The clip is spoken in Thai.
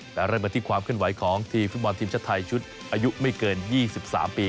และเริ่มกันที่ความขึ้นไหวของทีมชาตาไทยชุดอายุไม่เกิน๒๓ปี